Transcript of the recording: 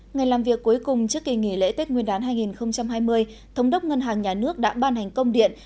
ngày làm việc cuối cùng trước kỳ nghỉ lễ tết nguyên đán hai nghìn hai mươi thống đốc ngân hàng nhà nước đã ban hành công điện